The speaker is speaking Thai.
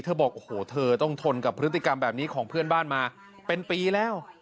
บอกโอ้โหเธอต้องทนกับพฤติกรรมแบบนี้ของเพื่อนบ้านมาเป็นปีแล้ว